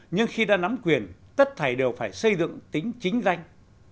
nhưng khi đã nắm quyền tất thầy đều phải xây dựng tính chính danh